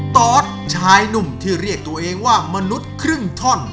ตอสชายหนุ่มที่เรียกตัวเองว่ามนุษย์ครึ่งท่อน